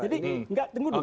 jadi enggak tunggu dulu